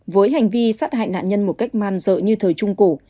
với hành vi sát hại nạn nhân một cách man dợ như thời trung cổ